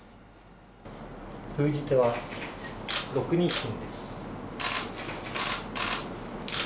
封じ手は、６二金です。